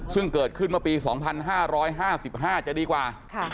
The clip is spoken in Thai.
ซึ่งเกิดขึ้นเมื่อปี๒๕๕๕จะดีกว่า